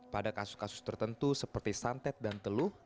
pada kasus kasus tertentu seperti santet dan teluh